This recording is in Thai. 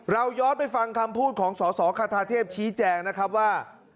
ย้อนไปฟังคำพูดของสสคาเทพชี้แจงนะครับว่า